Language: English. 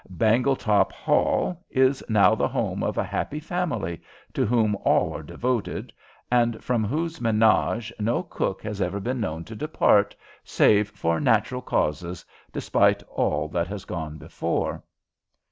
Bangletop Hall is now the home of a happy family, to whom all are devoted, and from whose menage no cook has ever been known to depart, save for natural causes, despite all that has gone before.